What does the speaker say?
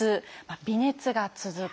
微熱が続く。